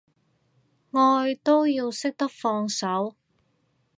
愛都要識得放手